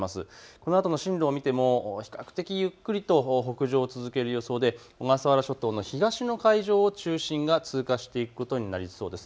このあとの進路を見ても比較的ゆっくりと北上を続ける予想で小笠原諸島の東の海上を中心が通過していくことになりそうです。